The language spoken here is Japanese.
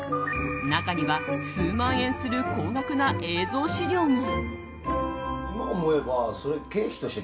中には数万円する高額な映像資料も。